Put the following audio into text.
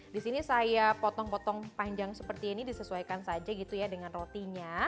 di sini saya potong potong panjang seperti ini disesuaikan saja gitu ya dengan rotinya